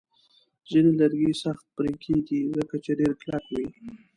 ځینې لرګي سخت پرې کېږي، ځکه چې ډیر کلک وي.